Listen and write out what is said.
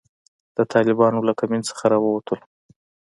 د طالبانو له کمین څخه را ووتلو.